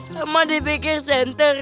sama di bg center